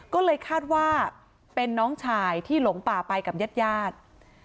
ก็เลยคาดว่าเป็นน้องชายที่หลงป่าไปกับญาติญาติ